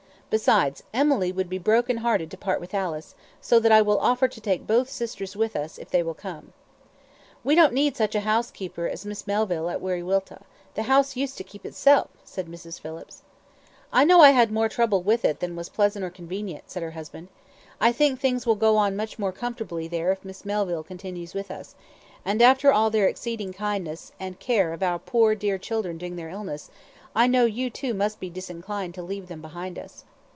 Besides, Emily would be broken hearted to part with Alice, so that I will offer to take both sisters with us, if they will come." "We don't need such a housekeeper as Miss Melville at Wiriwilta. The house used to keep itself," said Mrs. Phillips. "I know I had more trouble with it than was pleasant or convenient," said her husband. "I think things will go on much more comfortably there if Miss Melville continues with us; and after all their exceeding kindness and care of our poor dear children during their illness, I know that you too must be disinclined to leave them behind us."